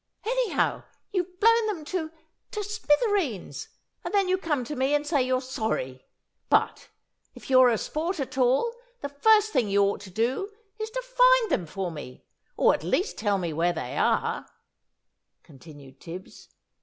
"Anyhow, you've blown them to to smithereens. And then you come to me and say you're sorry! But, if you're a sport at all, the first thing you ought to do is to find them for me, or at least tell me where they are," continued Tibbs.